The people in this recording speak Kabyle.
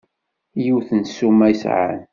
Yiwet n ssuma i sɛan?